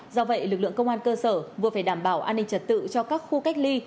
do vậy lực lượng công an cơ sở vừa phải đảm bảo an ninh trật tự cho các khu cách ly